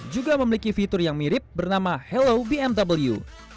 juga memiliki fitur yang mirip bernama hellow bmw